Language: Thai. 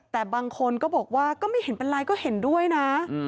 แต่บางคนก็บอกว่าก็ไม่เห็นเป็นไรก็เห็นด้วยนะ